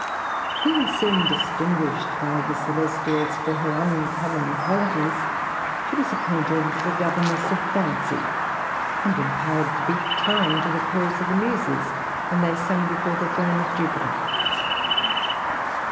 Being soon distinguished by the celestials, for her un common qualities, she was appointed the governess of Fancy, and empowered to beat time to the chorus of the Muses, when they sung before the throne of Jupiter.